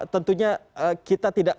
tentunya kita tidak